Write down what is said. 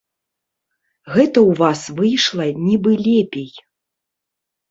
Гэта ў вас выйшла нібы лепей.